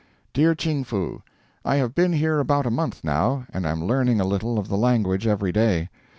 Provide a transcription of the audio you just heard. DEAR CHING FOO: I have been here about a month now, and am learning a little of the language every day.